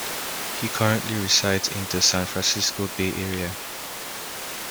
He currently resides in the San Francisco Bay Area.